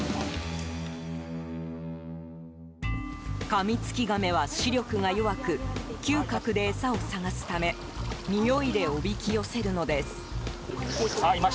カミツキガメは視力が弱く嗅覚で餌を探すためにおいで、おびき寄せるのです。